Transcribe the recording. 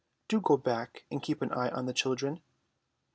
Do go back and keep an eye on the children."